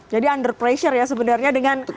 jadi under pressure ya sebenarnya